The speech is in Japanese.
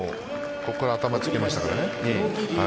ここから頭をつけましたからね。